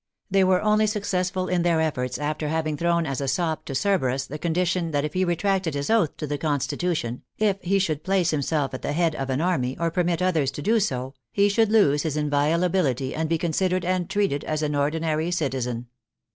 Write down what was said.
They were only successful in their efforts after having thrown as a sop to Cerberus the condition that if A "CONSTITUTION" ON ITS BEAM ENDS 31 he retracted his oath to the Constitution, if he should place himself at the head of an army, or permit others to do so, he should lose his inviolability and be considered and treated as an ordinary citizen.